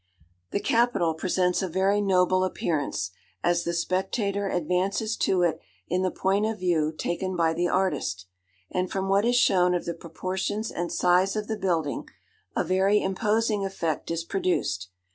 The Capitol presents a very noble appearance, as the spectator advances to it in the point of view taken by the artist; and from what is shown of the proportions and size of the building, a very imposing effect is produced.